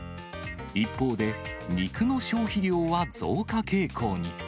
一方で、肉の消費量は増加傾向に。